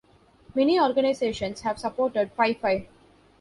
Many organisations have supported Phi Phi.